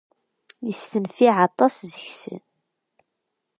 Istenfiɛ aṭas seg-sen.